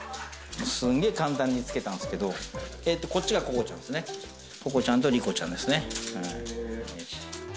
すげえ簡単につけたんですけど、こっちがココちゃん、ココちゃんとリコちゃんですね。